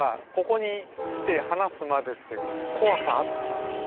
ここに来て話すまでって怖さあった？